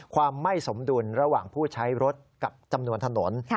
ความไม่สมดุลระหว่างผู้ใช้รถกับจำนวนถนน